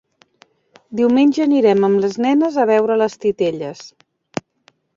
Diumenge anirem amb les nenes a veure les titelles.